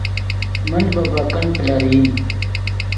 من ڤے بیکنڈ پلرئیم